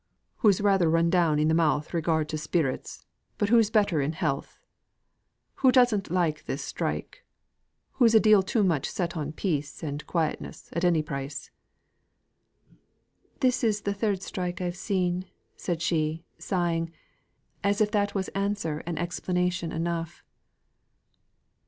"Hoo's rather down i' th' mouth in regard to spirits, but hoo's better in health. Hoo doesn't like this strike. Hoo's a deal too much set on piece and quietness at any price." "This is th' third strike I've seen," said she, sighing, as if that was answer and explanation enough.